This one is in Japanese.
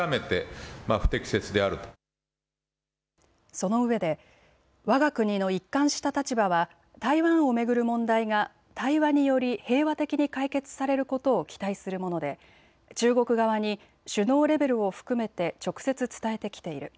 そのうえでわが国の一貫した立場は台湾を巡る問題が対話により平和的に解決されることを期待するもので中国側に首脳レベルを含めて直接伝えてきている。